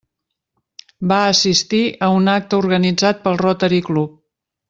Va assistir a un acte organitzat pel Rotary Club.